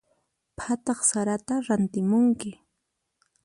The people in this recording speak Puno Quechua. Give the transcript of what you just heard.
Phataq saratan rantimunki.